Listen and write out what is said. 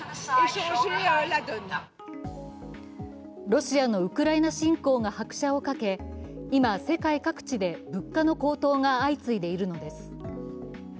ロシアのウクライナ侵攻が拍車をかけ、今、世界各地で物価の高騰が相次いでいるのです。